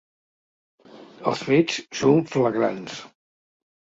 Els fets són flagrants.